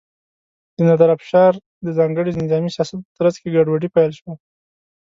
د نادر افشار د ځانګړي نظامي سیاست په ترڅ کې ګډوډي پیل شوه.